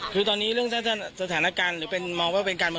คือตอนนี้เรื่องสถานการณ์หรือเป็นมองว่าเป็นการเมือง